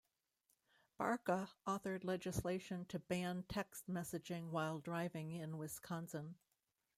Barca authored legislation to ban text messaging while driving in Wisconsin.